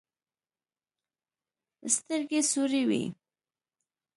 سترګې سورې وې.